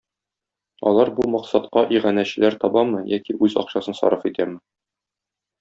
Алар бу максатка иганәчеләр табамы яки үз акчасын сарыф итәме?